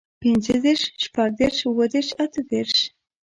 پينځهدېرش، شپږدېرش، اووهدېرش، اتهدېرش